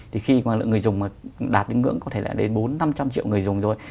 thì khi người dùng đạt những ngưỡng có thể là đến bốn trăm linh năm trăm linh triệu người dùng rồi